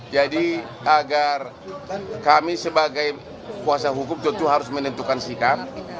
jadi agar kami sebagai kuasa hukum tentu harus menentukan sikap